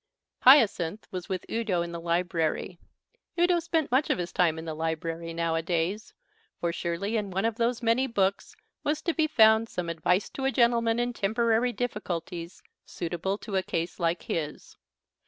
Hyacinth was with Udo in the library. Udo spent much of his time in the library nowadays; for surely in one of those many books was to be found some Advice to a Gentleman in Temporary Difficulties suitable to a case like his.